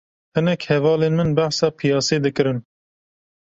Hinek hevalên min behsa piyasê dikirin